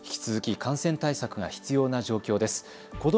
引き続き、感染対策が必要な状況です。